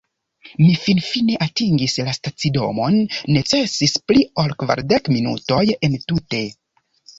Mi finfine atingis la stacidomon necesis pli ol kvardek minutoj entute